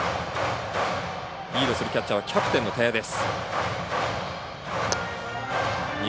リードするキャッチャーはキャプテンの田屋です。